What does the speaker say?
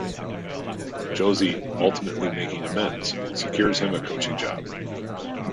Josie, ultimately making amends, secures him a coaching job.